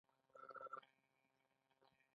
په دې ټولو حالاتو کې جوړښت غیر عادلانه دی.